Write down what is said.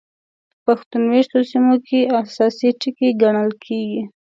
په پښتون مېشتو سیمو کې اساسي ټکي ګڼل کېږي.